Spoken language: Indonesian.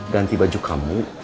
ganti baju kamu